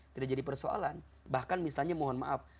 tidak jadi persoalan bahkan misalnya mohon maaf